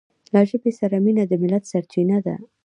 له ژبې سره مینه د ملت سره مینه ده.